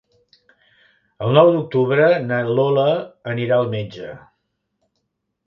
El nou d'octubre na Lola anirà al metge.